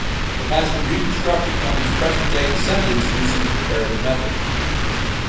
It has been reconstructed from its present-day descendants using the comparative method.